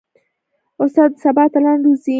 استاد د سبا اتلان روزي.